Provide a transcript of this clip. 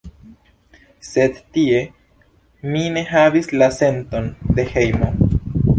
Sed tie mi ne havis la senton de hejmo.